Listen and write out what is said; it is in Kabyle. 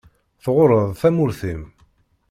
Tɣuṛṛeḍ tamurt-im.